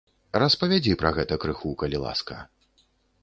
Распавядзі пра гэта крыху, калі ласка.